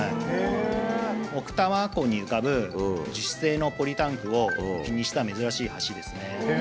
奥多摩湖に浮かぶ樹脂製のポリタンクを浮きにした珍しい橋ですね。